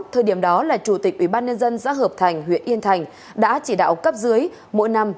thời điểm đó là chủ tịch ubnd xã hợp thành huyện yên thành đã chỉ đạo cấp dưới mỗi năm